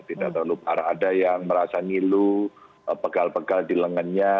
tidak terlalu parah ada yang merasa nilu pegal pegal di lengannya